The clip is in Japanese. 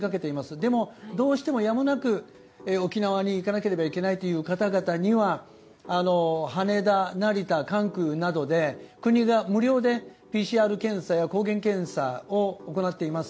でも、どうしてもやむなく沖縄に行かなければいけないという方々には羽田、成田、関空などで国が無料でＰＣＲ検査や抗原検査を行っています。